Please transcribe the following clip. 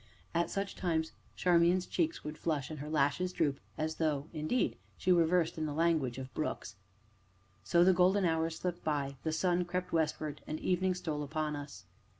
At such times Charmian's cheeks would flush and her lashes droop as though (indeed) she were versed in the language of brooks. So the golden hours slipped by, the sun crept westward, and evening stole upon us.